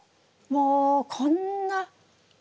もうこんな。